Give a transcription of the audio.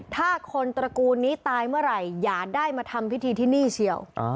ถ้าคนตระกูลนี้ตายเมื่อไหร่อย่าได้มาทำพิธีที่นี่เฉียว